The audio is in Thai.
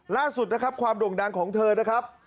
ล่าสุดนะครับความโด่งดังของเธอนะครับ